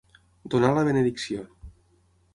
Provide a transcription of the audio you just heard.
Donar la benedicció.